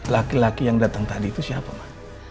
laki laki yang datang tadi itu siapa mas